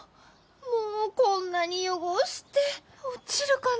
もうこんなに汚して落ちるかな。